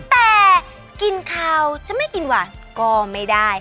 แต่กินข้าวจะไม่กินว่ะก็ไม่ได้